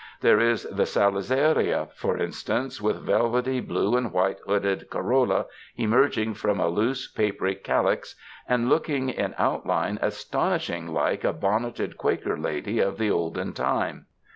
There is the sala zaria, for instance, with velvety blue and white hooded corolla emerging from a loose, papery calyx and looking in outline astonishingly like a bonneted Quaker lady of the olden time.